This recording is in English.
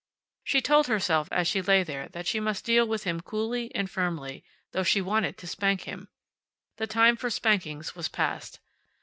She told herself, as she lay there, that she must deal with him coolly and firmly, though she wanted to spank him. The time for spankings was past.